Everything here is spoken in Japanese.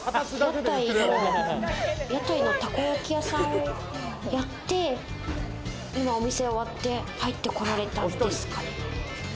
屋台のたこ焼き屋さんをやって、今お店終わって入ってこられたんですかね？